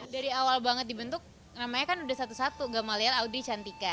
dari awal banget dibentuk namanya kan udah satu satu gamalia audrey cantika